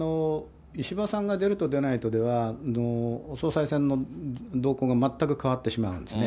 石破さんが出ると出ないとでは、総裁選の動向が全く変わってしまうんですね。